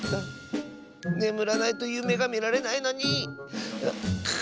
ねむらないとゆめがみられないのに！